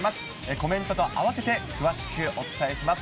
コメントと併せて、詳しくお伝えします。